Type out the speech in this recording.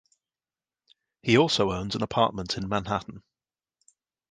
He also owns an apartment in Manhattan.